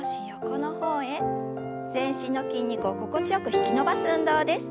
全身の筋肉を心地よく引き伸ばす運動です。